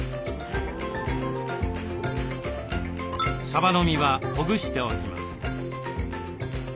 さばの身はほぐしておきます。